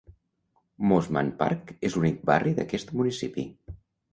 Mosman Park és l'únic barri d'aquest municipi.